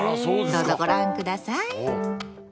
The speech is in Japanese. どうぞご覧ください。